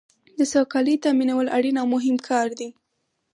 د سوکالۍ تامینول اړین او مهم کار دی.